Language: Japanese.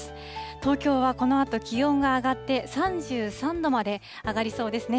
東京はこのあと気温が上がって、３３度まで上がりそうですね。